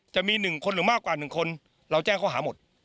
จะมี๑คนหรือมากกว่า๑คนเราแจ้งข้อหาหมด